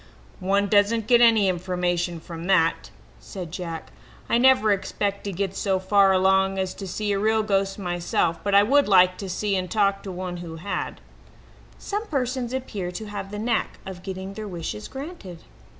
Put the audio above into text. "One doesn't get any information from that," said Jack. "I never expect to get so far along as to see a real ghost myself, but I would like to see and talk to one who had." Some persons appear to have the knack of getting their wishes granted.